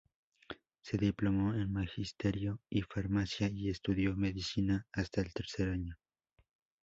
Se diplomó en Magisterio y Farmacia y estudió Medicina hasta el tercer año.